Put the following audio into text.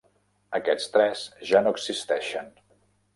Aquests tres ja no existeixen.